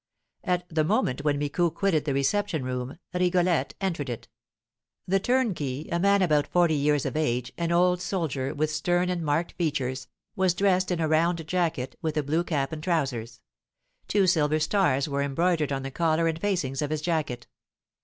At the moment when Micou quitted the reception room, Rigolette entered it. The turnkey, a man about forty years of age, an old soldier, with stern and marked features, was dressed in a round jacket, with a blue cap and trousers; two silver stars were embroidered on the collar and facings of his jacket.